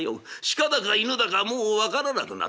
鹿だか犬だかもう分からなくなってる。